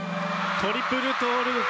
トリプルトウループ。